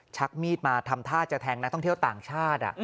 ชักมีดมาทำท่าจะแทงนักท่องเที่ยวต่างชาติ